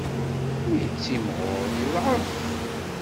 Mi yettimɣur, yeḍɛef.